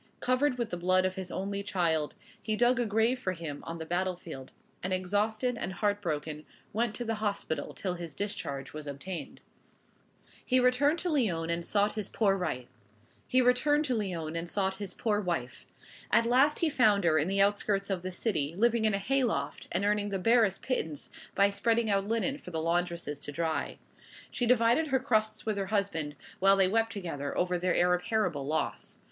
Covered with the blood of his only child, he dug a grave for him on the battle field; and exhausted and heart broken went to the hospital till his discharge was obtained. He returned to Lyons and sought his poor wife. At last he found her in the outskirts of the city, living in a hay loft, and earning the barest pittance by spreading out linen for the laundresses to dry. She divided her crusts with her husband, while they wept together over their irreparable loss.